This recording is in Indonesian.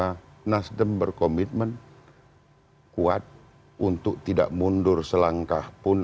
karena nasdem berkomitmen kuat untuk tidak mundur selangkah pun